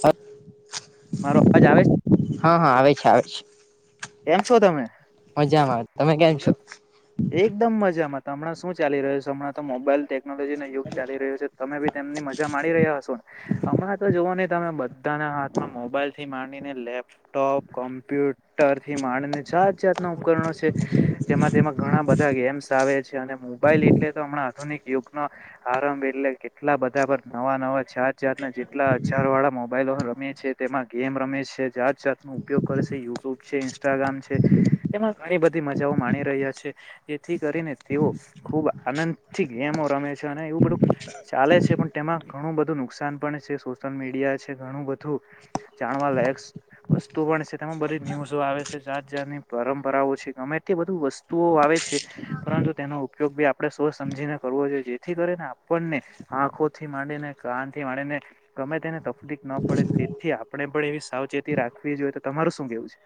હ હહ, મારો અવાજ આવે છે હહ આવે છે, આવે છે. કેમ છો તમે? મજામાં આવે તમે કેમ છો એકદમ મજામાં. ત હમણાં શું ચાલી રહ્યુ સે? હમણાં તો મોબાઈલ ટેક્ ટેકનોલોજીનો યુગ ચાલી રહ્યો છે, તો તમે બી તેમની મજા માણી રહ્યા હશો ને? હમણાં તો જોવોને તમે બધ બધાંના હાથમાં મોબાઈલથી માંડીને લેપટોપ કોમ્પ્યુટરથી, માંડીને જાત-જાતના ના ઉપકરણો છે. જેમાં તેમાં ઘણા બધા ગેમ્સ આવે છે, અને મોબાઈલ એટલે તો હમણાં આધુનિક યુગનો આરંભ એટલે કેટલા બધા પર નવા-નવા, જાત-જાતના જેટલા હજાર વાળા મોબાઈલો રમે છે, તેમાં ગેમ રમે છે. જાત-જાતનો ઉપયોગ કરેશે, યુટ્યુબ છે, ઇન્સ્ટાગ્રામ છે એમાં ઘણી બધી મજાઓ માણી રહ્યા છે. એથી કરીને તેઓ ખુબ આનંદથી ગેમો રમે છે. અને એવું બધું ચાલે છે પણ તેમાં ઘણું બધું નુકસાન પણ છે. સોશિયલ મીડિયા છે, ઘણું બધું જાણવા લાયક વસ્તુ પણ છે. તેમાં બધી ન્યૂઝો આવે છે, જાત જાતની પરંપરાઓ છે, ગમે તે બધું વસ્ત તુઓ આવે છે. પરંતુ તેનો ઉપયોગ બી આપણે સોચ સમજીને કરવો જોઈએ જેથી કરીને આપણને આંખોથી માંડીને, કાનથી માંડીને ગમે તેને તફલીફ ના પડે તેથી આપણે પણ એવી સાવચે ચેતી રાખવી જોઈએ. તો તમારું શું કેવું છે?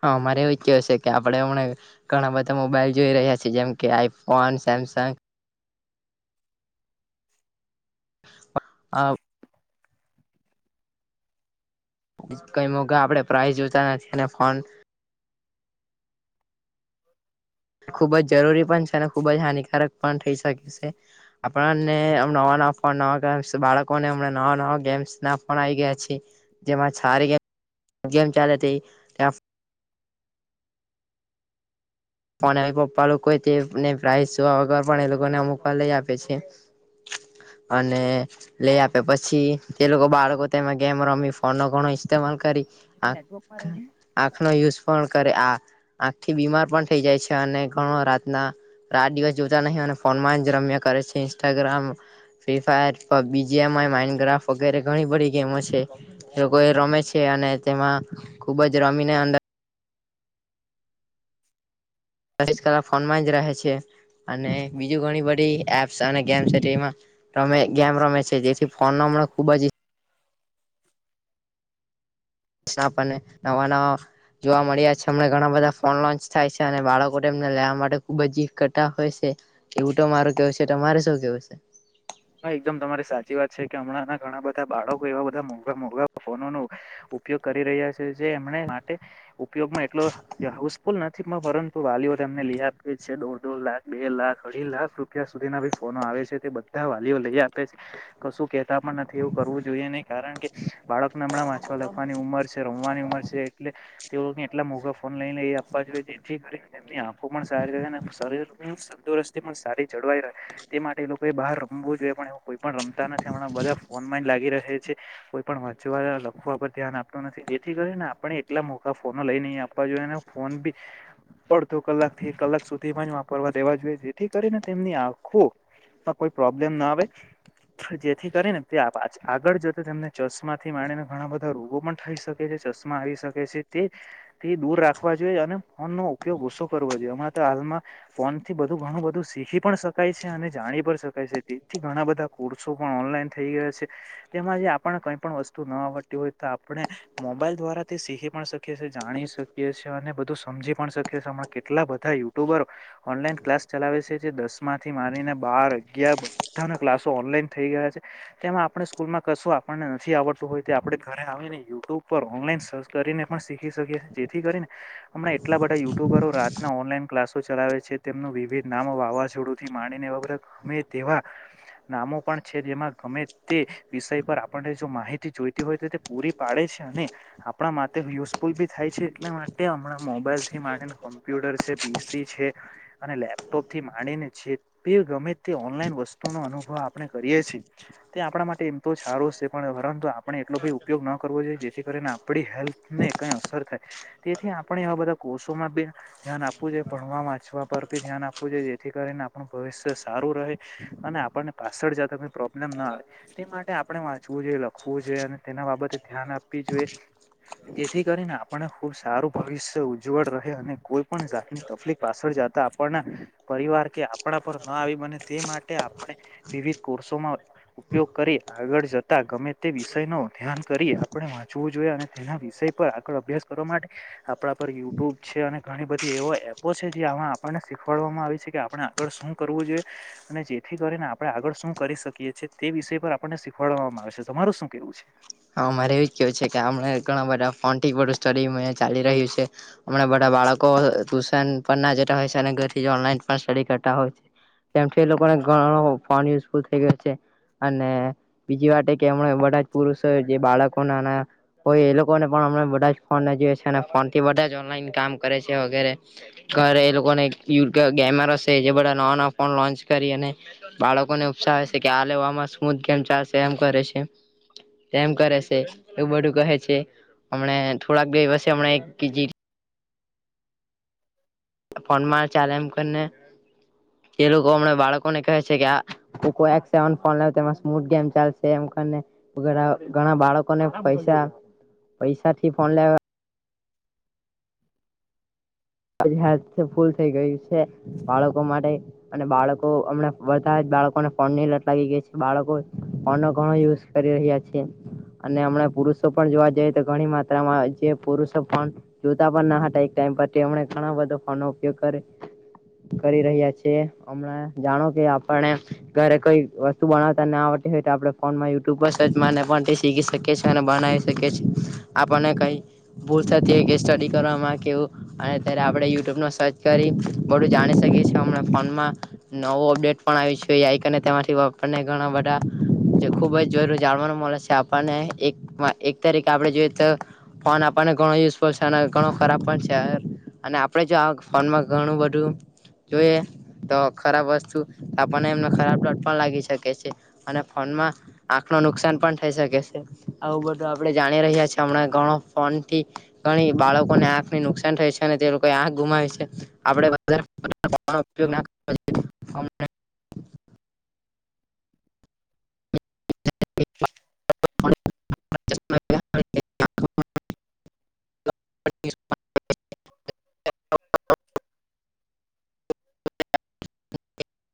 હહ અમારે એવું જ કેવું છે કે આપણે હમણાં ઘણાં બધા મોબાઈલ જોઈ રહ્યા છીએ. જેમ કે આઈફોન, સેમ સેમસંગ આ કંઈ મોંઘા આપણે પ્રાઇઝ જોતા નથી અને ફોન ખુબ જ જરૂરી પન છે, અને ખુબ જ હાનિકારક પણ થઈ શકે સે. આપણને એમ નવાં નવાં ફોન, નવાં ગેમ્સ બાળકોને હમણાં નવા નવા ગેમ્સના ફોન આઈ ગયા છે. જેમાં છારી ગેમ ગેમ ચાલે તે ત્યાં પણ એ પપ્પા લોકોએ તેને પ્રાઈઝ જોવા વગર પણ એ લોકોને અમુકવાર લઈ આપે છે. [inaudible] અને લઈ આપે, પછી તે લોકો બાળકો તેમાં ગેમ રમી ફોનનો ઘણો [inaudible] [unintelligible] કરી છે આંખનો યુઝ પણ કરે આ આંખથી બીમાર પણ થઈ જાય છે અને ઘણો રાતના રાત દિવસ જોતા નહીં અને ફોનમાં જ રમ્યા કરે છે ઇન્સ્ટાગ્રામ ફ્રી ફાયર બીજી એમાં માઇન્ડ ગ્રાફ્ટ વગેરે ઘણી બધી ગેમો છે લોકો એ રમે છે અને તેમાં ખૂબ જ રમીને અંદર ચોવીસ કલાક ફોનમાં જ રહે છે અને બીજું ઘણી બધી એપ્સ અને ગેમ્સ એમાં રમે ગેમ રમે છે જેથી ફોનનો હમણાં ખુબ જ ને નવા નવા જોવા મળ્યા છે હમણાં ઘણાં બધા ફોન લોન્ચ થાય છે અને બાળકો લેવા માટે ખુબ જીદ કરતા હોય છે. એવું તો મારું કહેવું છે. તમારે શું કહેવું છે? હા એકદમ તમારી સાચી વાત છે કે હમણાંના ઘણા બધા બાળકો એવા બધા મોંઘા મોંઘા ફોનોનું ઉપયોગ કરી રહ્યા છે જે એમને માટે ઉપયોગમાં એટલો યુઝફુલ નથી પરંતુ વાલીઓ તેમને લઈ આપી છે દોઢ દોઢ લાખ બે લાખ અઢી લાખ રૂપિયા સુધી ના આવે છે તે બધા વાલીઓ લઈ આપે છે કશું કેતા પણ નથી એવું કરવું જોઈએ નહી, કારણ કે બાળકને હમણાં વાંચવા લખવાની ઉંમર છે, રમવાની ઉંમર છે એટલે તેઓને એટલા મોંઘા ફોન નય લઈ આપ [unintelligible] જેથી કરીને એની આંખો પણ સારી રહે અને શરીર તંદુરસ્તી પણ સારી જળવાઈ રહે. તે માટે એ લોકો એ બહાર રમું જોઈએ પણ કોઈ પણ રમતા નથી હમણાં બધા ફોન લાગી રહ છે કોઈ પણ વાંચવા લખવા ધ્યાન આપતો નથી એથી કરીને આપણે એટલા મો ફોનો લઈ નઈ આપવા જોઈએ ફોન બી પડતો કલાક થી કલાક સુી તે જ વાપરવા દેવા જોઈએ જેથી કરીને તેમની આંખો કોઈ પ્રોબ્લેમ ના આવે જેથી કરીને તે આગળ જતા તેમને ચશ્માથી માડીને ઘણા બધા રોગો પણ થઈ શકે છે ચશમા આવી શકે છે તેથી દૂર રાખવા જોઈએ અને ફોન નો ઉપયોગ ઓસો કરવો જોઈએ હણાં તો ફોન થી બધું ઘણું બધું શીખી પણ શકાય છે અને જાણી પણ શકાય તેથી ઘણા બધા કોર્સો પણ ઓનલાઈન થઈ ગયા છે એમાં જે આપણને કઈ પણ વસ્તુ ન આવડતી હોય આપણે મોબાઈલ દ્વારાથી શીખી પણ શકીએ જાણી શકીએ છી અને બધું સમજી પણ શકીએ કેટલા બધા યુટ્યુબર ઓનલાઈન ક્લાસ ચલાવે છે જે દસ માંથી મારીને બાર જગ્યા બધાના ક્લાસો ઓનલાઈન થઈ ગયા છે તેમાં આપણે સ્કૂલમાં કશું આપણને નથી આવડતું હોય આપણે ઘરે આવી ને યુટ્યુબ પર ઓનલાઈન સર્ચ કરીને પણ શીખી શકીએ છીએ જેથી કરીને હમણાં એટલા બધા યુટ્યુબરો રાતના ઓનલાઈન ક્લાસો ચલાવે છે તેમનું વિવિધ નામ વાવાઝોડું થી માણીને વર ગમે તેવા નામો પણ છે જેમાં ગમે તે વિષય પર આપણને જો માહિતી જોઈતી હોય તો તે પૂરી પાડે છે. અને આપણા માટે યુઝફુલ બી થાય છે એટલા માટે હમણાં મોબાઈલ થીને કોમ્પ્યુટર છે પી. સી છે અને લેપટોપ થી માંડીને છે તે ગમે ઓનલાઈન વસ્તુનો અનુભવ આપણે કરીએ છીએ તે આપણા માટે એમ તો સારો છે પણ પરંતુ આપણે ઉપયોગ ન કરવો જોઈએ જેથી કરીને આપડી હેલ્થને ક અસર થાય તેથી આપણે આવા બધા કોર્સ માં બી ધ્યાન આપવું જોએ ભણવા વાંચવા પરી ધ્યાન આપવું જોઈએ જેથી કરીને આપણું ભવિષ્ય સારું રહે અને આપણને પાછળ જતા કોઈ પ્રોબ્લેમ ના આવે તે માટે આપણે વાંચવું જોઈએ લખવું અને તેના બાબતે ધ્યાન આપવી જોઈએ જેથી કરીને આપને ખુબ સારું ભવિષ્ય ઉજ્જવળ રહે અને કોઈ પણ જાની તકલીફ પાછળ તા આપણણા પરિવાર કે આપણા પર આવી બને તે માટે આપણે વિવિધ કોર્સોમાં ઉપયોગ કરી આગળ જતા ગમે વિષય ન ધ્યાન કરી આપણે વાંચવું જોઈએ અને તેના વિષય પર આગળ અભ્યાસ કરવા માટે આપણા પર યુટ્યુબ છે અને ઘણી બધી એવો એપો છે જે આમાં આપણને શીખવાડવામાં આવી છે કે આપણે આગળ શું કરવું જોઈએ અને જેથી કરીને આપણે આગળ શું કરી શકીએ છીએ તે વિષય પર આપણને શીખવાડવામાં આવે મારું શું કેવું છે? હા મારે એવુંજ કેવું છે કે ઘણા બધા ફ ચાલી રહ્યું છેમ બધા બાળકો ટ્યુશન પણ ના હોય ઘર ઓનલાઈન પણ સ્ટડી કરતા હોય છે તેમમથી એ લોકોને ઘનો ફોન યુઝફુલ થઈ ગયો છે. અને બીજી વાત કે એમણે બધા જ પુરુષ જે બાળકો નાના હોય એ લોકોને પણ બધા ફોન જોએ અને ફોન થી બધા ઓનલા પણ કરે છે વગેરે. છર એ લોકોને ગી ગેમરો સે જે બધા નવા-નવા ફોન લોન્ચ કરી છે. અને બાળકો ને ઉપસાવે છે કે કે આ લેવામાં સ્મૂથ ગેમ ચાલશે એમ કરે છે.. [unintelligible] તેમ કરે સે એવું બધું કહે છે, હમને થોડાક દી પછી હમણે એક [unintelligible] ફોનમાં ચાલે એમ કરીને એ લોકો હમણાં બાળકોને કહે છે કે આ કોકો એપ સેવ ફોન લે તેમાં સ્મૂથ ગેમ ચાલશે એમ. અને ઘણ ઘણા બાળકોને પૈસા-પૈસા થી ફોન લાવ્યા [unintelligible] હેલ્થફૂલ ફૂલ થઈ ગઈ છે. બાળકો માટે અને બાળકો હમણા વધા જ બાળકોને ફોન ની લટ લાગી ગઈ છે. બાળકો ફોન નો ઘણો યુઝ કરી રહ્યા છે. અને હમણા પુરુષો પણ જોવા જઈએ તો ઘણી માત્રામાં જે પુરુષો પણ જોતા પણ ના હતા એક ટાઈમ પર. કે એમણે ઘણા બધા ફોન નો ઉપયોગ કરે કરી રહ્યા છે. હમણાં જાણો કે આપને ઘરે કોઈ વસ્તુ બનાવતા ના આવ ડે તો આપણે ફોનમાં યુટ્યુબ પર સર્ચને મારી ને પણ તે શીખી શકીએ છે અને બનાવી શકીએ છે. આપણને કઈ ભૂલ થતી હોય કે સ્ટડી કરવામાં કે એવું અને ત્યાંરે આપણે યુટ્યુબ નો સર્ચ કરી બધું જાણી શકીએ છે. હમણાં ફોનમાં નવો અપડેટ ટ પણ આવી છે. [unintelligible] તે માથી આપણ‌ ને ઘણા બધા જે ખુબ જ જરૂરી જાણવાનું મળે છે આપણને. એક-એક તરીકે આપડે જોઈએ તો ફોન આપણને ઘણો યુઝફુલ છે, અને ઘણો ખરાબ પણ છ છે અને આપણેે જો આવ ફોનમાં ઘણું બધું જોઈએ તો ખરાબ વસ્તુ આપણને એમનો ખરાબ લત પણ લાગી શકે છે. અને ફોનમાં આખ માં નુકસાન પણ થઈ શકે છે. આવું બધું આપણે જાણી રહ્યા છે, હમણાં ઘણો ફોનથી ઘણી બાળકોને આંખ ની નુકસાન થાય છે અને તે લોકો આંખ ગુમાવી છે. આપણે વધારે પડતા ફોન નો ઉપયોગ ના કરવો જોઈએ. [unintelligible] [inaudible] [inaudible] [inaudible] [inaudible] [inaudible]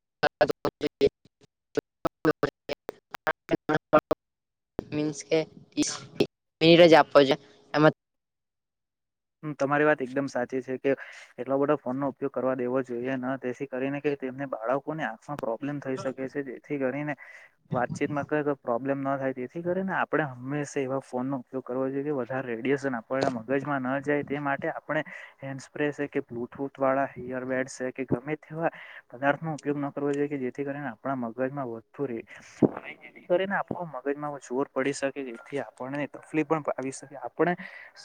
જોઈએ [inaudible] મીન્સ કે [inaudible] હમ્મ તમારી વાત એકદમ સાચી છે કે એટલો બધો ફોન નો ઉપયોગ કરવા દેવો જોઈએ ન તેથી કરીને કે તેમને બાળકોને આંખમાં પ્રો પ્રાબ્લેમ થઈ શકે છે જેથી કરીને વાતચીતમાં કરે તો પ્રોબ્લેમ ન થાય તેથી કરીને આપણે હંમેશા એવા ફોનનો ઉપયોગ કરવો જોઈએ કે વધારે રેડિએશન આપણના મગજમાં ન જાય તે માટે આપણે હેન્ડ સ્પ્રે સે, કે બ્લુટૂથ વાળા હિયરબેડ સે, કે ગમે તેવા પદાર્થ નો ઉપયોગ ન કરવો જોઈએ કે જેથી કરીને આપણા મગજમાં વધતું રેય. અને જેથી કરીને આપણું મગ ગજ માં એવો જોર પડી શકે જેથી આપણને તફલી પણ આવી શકે. આપણે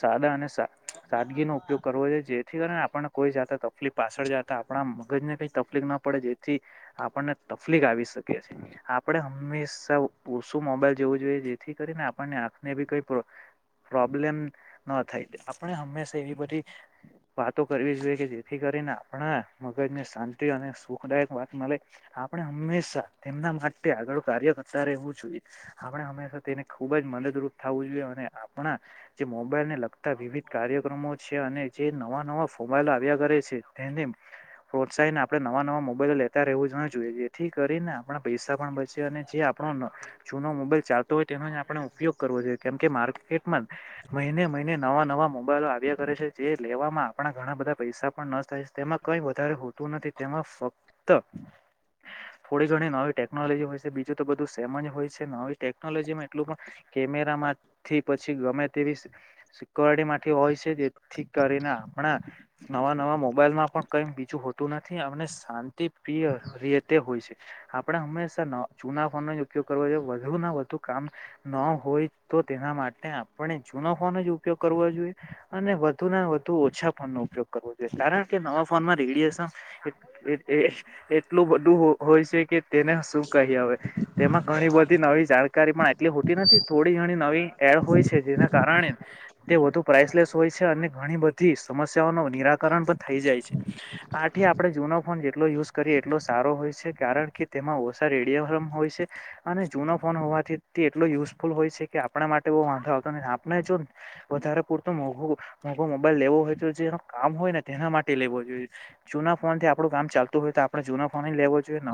સાદા અને સા સાદગીનો ઉપયોગ કરવો જોઈએ જેથી કરીને આપણને કોઈ જાતા તફલી પાછળ જાતા આપણા મગજ ને કઈ તફલીક ન પડે, જેથી આપણને તફલીક આવી શકે છે. આપણે હંમેશા [unintelligible] મોબાઈલ જોવું જોઈએ જેથી કરીને આપણને આંખને ભી પ્રો પ્રોબ્લેમ ન થાય. આપણે હંમેશા એવી બધી વાતો કરવી જોઈએ કે જેથી કરીને આપણા મગજને શાંતિ અ અને સુખદાયક વાત મલે. આપણે હંમેશા એમના માટે આગળ કાર્ય કરતા રહેવું જોઈએ. આપણે હંમેશા તેને ખુબ જ મદદરૂપ થાવું જોઈએ, અને આપણા જે મોબાઈલ ને લગતા વિવિધ કાર્યક્રમો છે અને જે નવા-નવા [unintelligible] આવ્યા કરે છે તેને પ્રોત્સાહી ને આપણે નવા-નવા મોબાઈલ લેતા રહેવું ન જોઈએ, જેથી કરીને આપણા પૈસા પણ બચે અને જે આપણો [unintelligible] જુનો મોબાઈલ ચાલતો હોય તેનો જ આપણે ઉપયોગ કરવો જોઈએ, કેમ માર્કેટમાં મહિને મહિન ને નવા-નવા મો બાઈલો આવ્યા કરે છે જે લેવામાં આપણા ઘણા બધા પૈસા પણ ન થાય. તેમાં કંઈ વધારે હોતું નથી તેમાં ફક્ત થોડી ઘણી નવી ટેકનોલોજી હોય છે બીજું તો બધું સેમ જ હોય છે. નવી ટેકનોલોજીમાં એટલું પણ કેમેરામાંથી પછી ગમે તેવી સિ સિક્યોરિટી માટે હોય છે જેથી કરીને આપણા, નવા નવા મોબાઈલમાં પણ કંઈ બીજું હોતું નથી, એમને શાંતિ પ્રિય [unintelligible] હોય છે આપણે હંમેશા ન જૂના ફોનનો જ ઉપયોગ કરવો જોઈએ. વધુ ના વધુ કામ ન હોય તો તેના માટે આપણે જૂનો ફોન જ ઉપયોગ કરવો જોઈએ. અને વધુને વધુ ઓછા ફોનનો ઉપયોગ કરવો જોઈએ. કારણ કે નવા ફોનમાં રેડિએશન એ એ એટલું બધું હોય છે, કે તેને શું કહીએ અવે. તેમાં ઘ ઘણી બધી નવી જાણકારી પણ આટલી હોતી નથી. થોડી ઘણી નવી એડ હોય છે, જેના કારણે તે વધુ પ્રાઈઝ લેસ હોય છે, અને ઘણી બધી સમસ્યાઓનો નિરાકરણ પન થઈ જાય છે. આ આથી આપણે જૂનો ફોન જેટલો યુઝ કરીએ એટલો સારો હોય છે, કારણ કે તેમાં ઓછા રેડિયેબન હોય છે અને જૂનો ફોન હોવાથી તે એટલો યુઝફુલ હોય છે, કે આપણા માટે બો વાંધો આવતો નથી. આપને જો વધારે પુરતુ મોઘુ, મોઘુ મોબાઈલ લેવો હોય તો જે કામ હોય ને તેના માટે લેવો જોઈએ. જૂના ફોન થો આપણું કામ ચાલતું હોય તો આપણે જૂનો ફોન જ લેવો જોઈએ ન!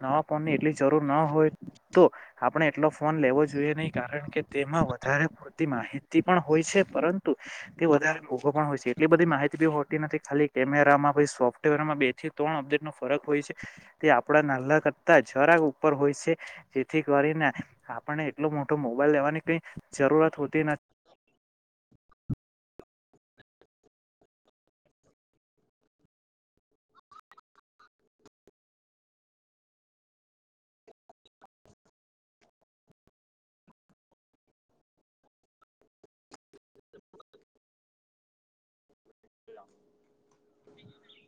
નવા ફોનની એટલી જરૂર ન હોય તો આપણે એટલો ફોન લેવો જોઈએ નઈ કારણ કે તેમાં વધારે પૂરતી માહિતી પણ હોય છે. પરંતુ તે વધારે મોઘો પણ હોય છે, એટલી બધી માહિતી બી હોતી નથી. ખાલી કેમેરામાં પછી સોફ્ટવેરમાં માં બે થી ત્રણ ઓબ્જેક્ટનો ફરક હોય છે, તે આપડા નાન્લા કરતા જરાક ઉપર હોય છે તેથી કરીને આપણને એટલો મોટો મોબાઈલ લેવાની કંઈ જરૂરત હોતી નથી.